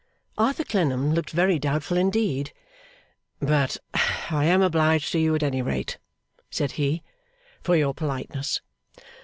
Arthur Clennam looked very doubtful indeed. 'But I am obliged to you at any rate,' said he, 'for your politeness.